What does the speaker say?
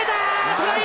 トライ！